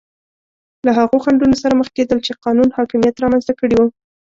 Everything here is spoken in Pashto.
له هغو خنډونو سره مخ کېدل چې قانون حاکمیت رامنځته کړي وو.